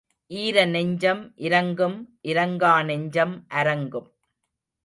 ஈர நெஞ்சம் இரங்கும் இரங்கா நெஞ்சம் அரங்கும்.